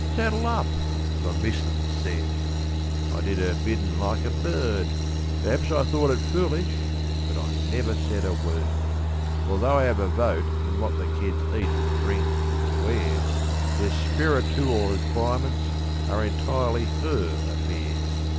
"Saddle up," the missus said. I did her biddin' like a bird. Perhaps I thought it foolish, but I never said a word; For though I have a vote in what the kids eat, drink, or wear, Their sperritual requirements are entirely her affair.